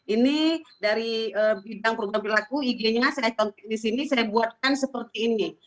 ini dari bidang perubahan perlaku ig nya saya kontek disini saya buatkan seperti ini